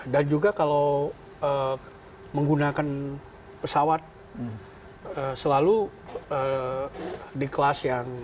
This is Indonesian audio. dan juga kalau menggunakan pesawat selalu di kelas yang